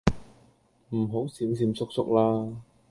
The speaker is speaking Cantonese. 唔好閃閃縮縮啦